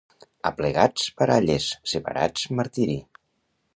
Aplegats, baralles; separats, martiri.